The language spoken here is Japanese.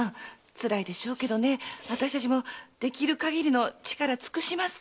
辛いでしょうが私達もできる限りの力を尽くしますから。